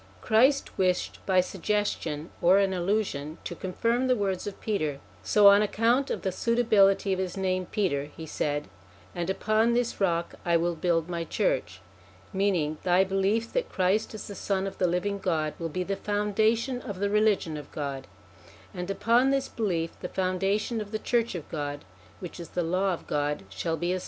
Christ wished by suggestion, or an allusion, to confirm the words of Peter; so on account of the suitability of his name, Peter, he said :' and upon this rock I will build my church,' meaning, thy belief that Christ is the son of the living God, will be the founda tion of the Religion of God ; and upon this belief the foundation of the church of God which is the Law of God shall be established.